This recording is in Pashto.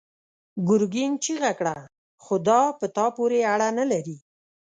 ګرګين چيغه کړه: خو دا په تا پورې اړه نه لري!